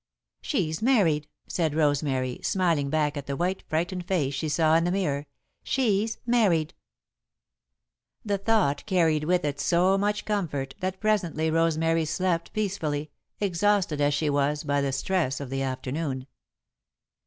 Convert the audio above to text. "She's married," said Rosemary, smiling back at the white, frightened face she saw in the mirror. "She's married!" [Sidenote: The Comforting Thought] The thought carried with it so much comfort that presently Rosemary slept peacefully, exhausted, as she was, by the stress of the afternoon.